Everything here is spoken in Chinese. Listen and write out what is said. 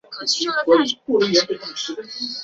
申恬起初任骠骑将军刘道邻的长兼行参军。